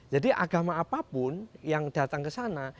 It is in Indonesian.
jadi agama apapun yang datang kesana